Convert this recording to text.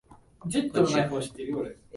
福岡市南区